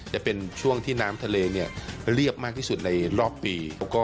จะเป็นช่วงที่น้ำทะเลเรียบมากที่สุดในรอบปี